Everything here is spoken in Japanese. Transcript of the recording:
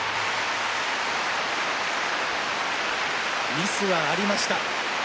ミスはありました。